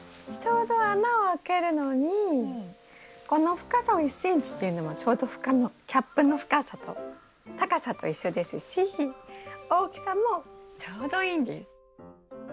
ちょうど穴を開けるのにこの深さを１ｃｍっていうのもちょうどキャップの深さと高さと一緒ですし大きさもちょうどいいんです。